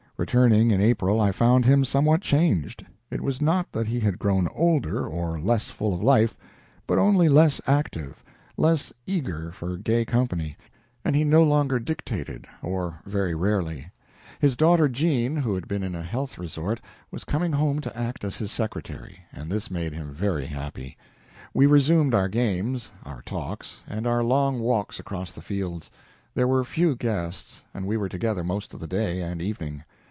Returning in April, I found him somewhat changed. It was not that he had grown older, or less full of life, but only less active, less eager for gay company, and he no longer dictated, or very rarely. His daughter Jean, who had been in a health resort, was coming home to act as his secretary, and this made him very happy. We resumed our games, our talks, and our long walks across the fields. There were few guests, and we were together most of the day and evening.